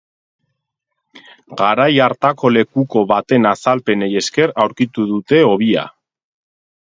Garai hartako lekuko baten azalpenei esker aurkitu dute hobia.